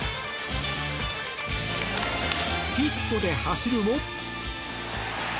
ヒットで走るも。